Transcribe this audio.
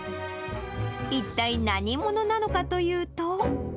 一体、何者なのかというと。